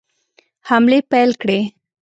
حملې پیل کړې.